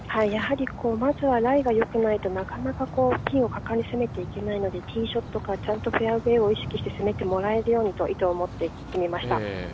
まずはライが良くないとなかなかピンを果敢に攻めていけないのでティーショットか、ちゃんとフェアウエーを意識して進めてもらえるようにという意図を込めました。